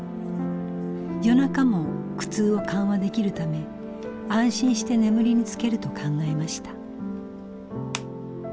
夜中も苦痛を緩和できるため安心して眠りにつけると考えました。